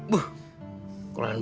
buh kurang bener namanya